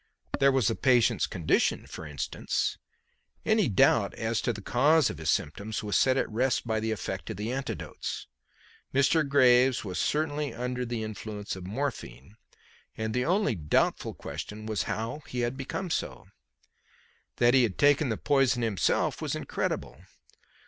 There was the patient's condition, for instance. Any doubt as to the cause of his symptoms was set at rest by the effect of the antidotes. Mr. Graves was certainly under the influence of morphine, and the only doubtful question was how he had become so. That he had taken the poison himself was incredible.